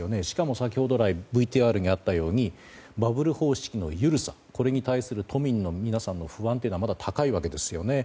先ほど来のＶＴＲにもありましたバブル方式の緩さこれに対する都民の皆様の不安というのがまだ高いわけですよね。